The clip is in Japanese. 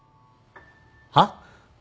はっ？